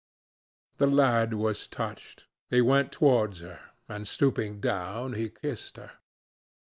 The lad was touched. He went towards her, and stooping down, he kissed her.